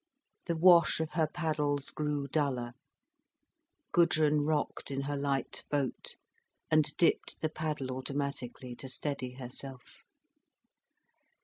The wash of her paddles grew duller. Gudrun rocked in her light boat, and dipped the paddle automatically to steady herself.